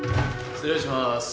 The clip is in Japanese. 失礼しまーす。